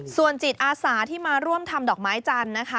ส่วนจิตอาสาที่มาร่วมทำดอกไม้จันทร์นะคะ